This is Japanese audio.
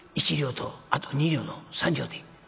１両とあと２両の３両で」。